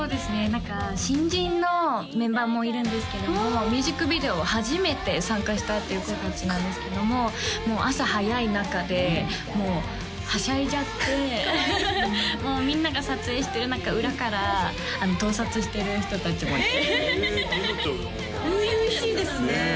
何か新人のメンバーもいるんですけどもミュージックビデオを初めて参加したっていう子達なんですけどももう朝早い中でもうはしゃいじゃってもうみんなが撮影してる中裏から盗撮してる人達もいてえ気になっちゃうな初々しいですね